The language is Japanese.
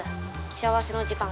幸せの時間。